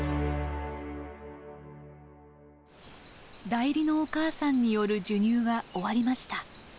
代理のお母さんによる授乳は終わりました。